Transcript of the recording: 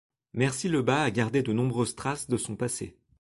Mercy-le-Bas a gardé de nombreuses traces de son passé.